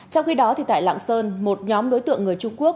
trong khi đó tại lạng sơn một nhóm đối tượng người trung quốc